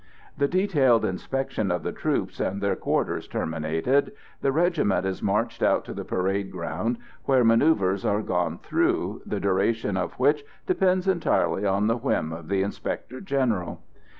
The detailed inspection of the troops and their quarters terminated, the regiment is marched out to the parade ground, where manoeuvres are gone through, the duration of which depends entirely on the whim of the Inspector General.